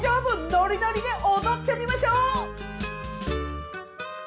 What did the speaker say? ノリノリで踊ってみましょう！